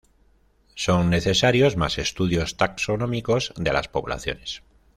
Son necesarios más estudios taxonómicos de las poblaciones.